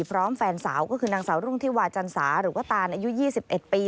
พร้อมแฟนสาวก็คือนางสาวรุ่งที่วาจันสาหรือว่าตานอายุ๒๑ปี